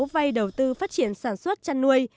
vay đầu tư phát triển sản xuất chăn nuôi